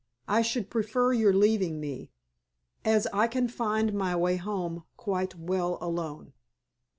I should prefer your leaving me, as I can find my way home quite well alone."